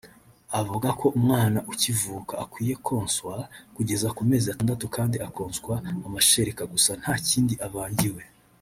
Avuga ko umwana ukivuka akwiye konswa kugeza ku mezi atandatu kandi akonswa amashereka gusa nta kindi avangiwe